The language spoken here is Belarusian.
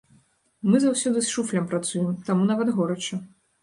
Мы заўсёды з шуфлям працуем, таму нават горача.